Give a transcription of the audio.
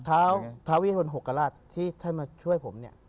ท้าววิรุณหกกระราชที่ช่วยผม